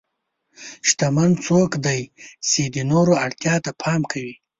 شتمن څوک دی چې د نورو اړتیا ته پام کوي.